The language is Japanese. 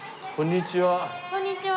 こんにちは。